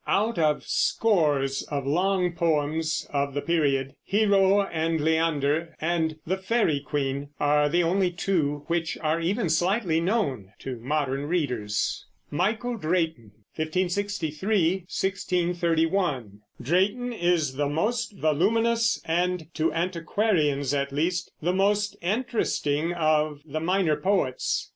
Out of scores of long poems of the period, Hero and Leander and the Faery Queen are the only two which are even slightly known to modern readers. MICHAEL DRAYTON (1563 1631). Drayton is the most voluminous and, to antiquarians at least, the most interesting of the minor poets.